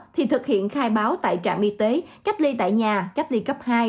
thì thực hiện khai báo tại trạm y tế cách ly tại nhà cách ly cấp hai